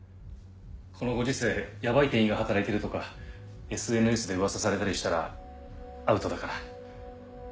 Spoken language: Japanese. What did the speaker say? このご時世ヤバい店員が働いてるとかＳＮＳで噂されたりしたらアウトだから。